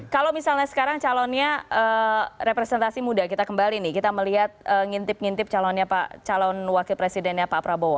kalau misalnya sekarang calonnya representasi muda kita kembali nih kita melihat ngintip ngintip calon wakil presidennya pak prabowo